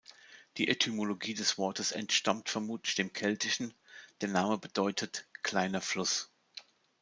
Die Etymologie des Wortes entstammt vermutlich dem Keltischen, der Name bedeutet "kleiner Fluss".